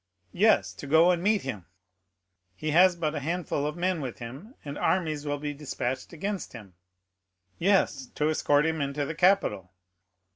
"Yes, to go and meet him." "He has but a handful of men with him, and armies will be despatched against him." "Yes, to escort him into the capital.